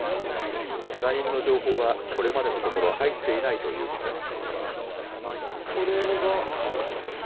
けが人の情報はこれまでのところ、入っていないということです。